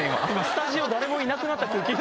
スタジオ誰もいなくなった空気。